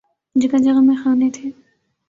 جگہ جگہ میخانے تھے۔